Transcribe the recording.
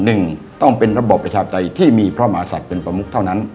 หนึ่งต้องเป็นระบอบประชาปไตยที่มีพระมหาศัตริย์เป็นประมุกเท่านั้น